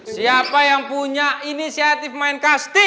siapa yang punya inisiatif main kastil